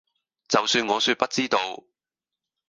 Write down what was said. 就算我說不知道